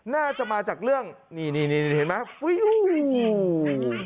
น่าจะมาจากเรื่องนี่นี่เห็นไหมฟิว